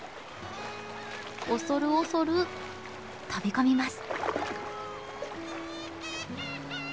恐る恐る飛び込みます。